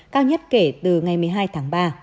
cao nhất kể từ ngày một mươi hai tháng ba